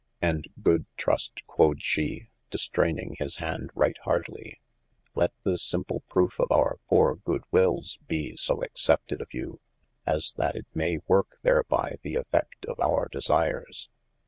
And good Trust (quod she) (distreining his hand right hartely) let this simple proofe of our poore good willes bee so [ac]cepted of you, as that it maye work therby the effeft of our desires.